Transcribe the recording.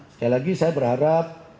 sekali lagi saya berharap